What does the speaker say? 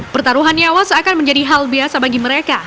pertaruhannya awal seakan menjadi hal biasa bagi mereka